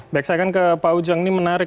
baik saya akan ke pak ujang ini menarik